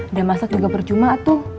udah masak juga percuma tuh